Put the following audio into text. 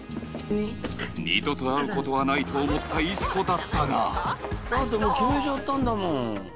二度と会うことはないと思った石子だったがだってもう決めちゃったんだもん